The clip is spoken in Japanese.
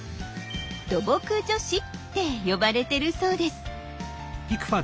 「土木女子」って呼ばれてるそうです。